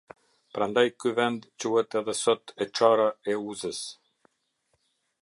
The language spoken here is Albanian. Prandaj ky vend quhet edhe sot e Çara e Uzës.